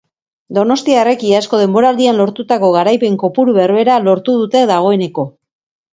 Donostiarrek iazko denboraldian lortutako garaipen kopuru berbera lortu dute dagoeneko.